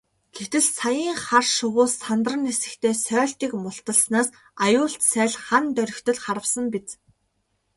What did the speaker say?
Гэтэл саяын хар шувуу сандран нисэхдээ сойлтыг мулталснаас аюулт сааль хана доргитол харвасан биз.